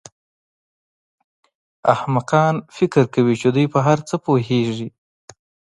احمقان فکر کوي چې دوی په هر څه پوهېږي.